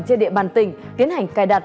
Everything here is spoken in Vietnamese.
trên địa bàn tỉnh tiến hành cài đặt